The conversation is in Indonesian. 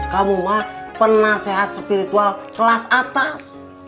kamu mah penasehat spiritual kelas atas